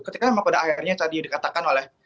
ketika memang pada akhirnya tadi dikatakan oleh